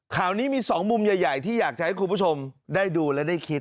ข่าวนี้มี๒มุมใหญ่ที่อยากจะให้คุณผู้ชมได้ดูและได้คิด